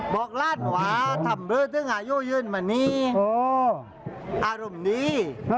บอกล่าดหวาทำรือถึงอายุยืนมานี้อารมณี